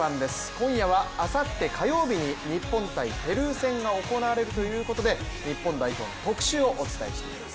今夜はあさって火曜日に日本×ペルー戦が行われるということで日本代表の特集をお届けします。